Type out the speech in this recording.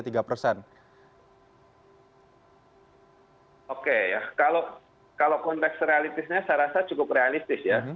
oke ya kalau konteks realistisnya saya rasa cukup realistis ya